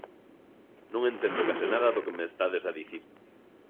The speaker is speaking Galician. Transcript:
Non entendo case nada do que me estades a dicir.